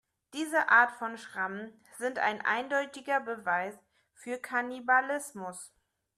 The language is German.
Diese Art von Schrammen sind ein eindeutiger Beweis für Kannibalismus.